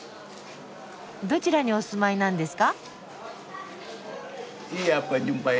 どちらにお住まいなんですか？